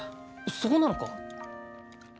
そうなのか？